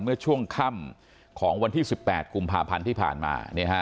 เมื่อช่วงค่ำของวันที่๑๘กุมภาพันธ์ที่ผ่านมา